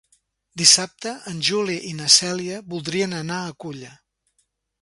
Dissabte en Juli i na Cèlia voldrien anar a Culla.